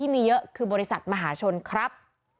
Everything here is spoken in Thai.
มีเยอะคือบริษัทมหาชนครับ